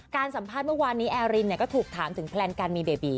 สัมภาษณ์เมื่อวานนี้แอรินก็ถูกถามถึงแพลนการมีเบบี